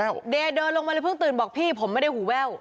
เดย์เดินลงมาเลยเพิ่งตื่นบอกพี่ผมไม่ได้หูแว่ว